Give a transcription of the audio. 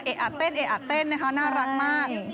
เอ๊ะอ่านเต้นนะคะน่ารักมาก